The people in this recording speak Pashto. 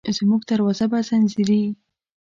زموږ دروازه به ځینځېرې،